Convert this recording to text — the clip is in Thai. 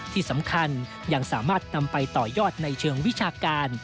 ที่สำคัญยังสามารถนำไปต่อยอดในเชิงวิชาการ